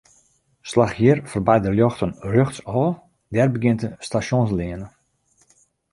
Slach hjir foarby de ljochten rjochtsôf, dêr begjint de Stasjonsleane.